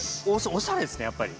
おしゃれですね、やっぱり。